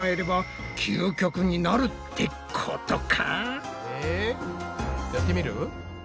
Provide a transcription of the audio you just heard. やってみる？